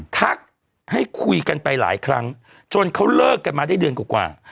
ทักให้คุยกันไปหลายครั้งจนเขาเลิกกันมาได้เดือนกว่า